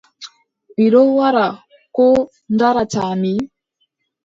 Mi ɗon wara ko ndaarataa mi ?